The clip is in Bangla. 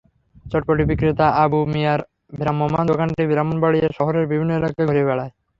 চটপটি বিক্রেতা আবু মিয়ার ভ্রাম্যমাণ দোকানটি ব্রাহ্মণবাড়িয়া শহরের বিভিন্ন এলাকায় ঘুরে বেড়ায়।